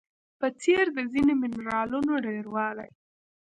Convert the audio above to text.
په څېر د ځینو منرالونو ډیروالی